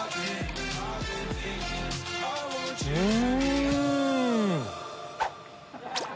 うん！